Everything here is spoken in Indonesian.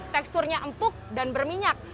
teksturnya empuk dan berminyak